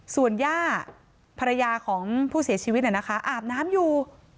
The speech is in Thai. ส่วนย่าภรรยาของผู้เสียชีวิตอาบน้ำอยู่